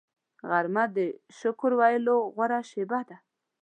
غرمه د شکر ویلو غوره شیبه ده